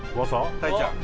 太ちゃん。